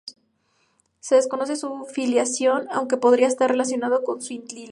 Se desconoce su filiación, aunque podría estar relacionado con Suintila.